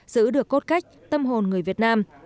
giữ được cốt cách tâm hồn người việt nam